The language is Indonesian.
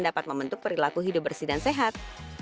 dapat membentuk perilaku hidup bersih dan sehat